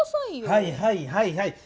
はいはいはいはい。